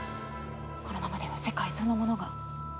このままでは世界そのものが。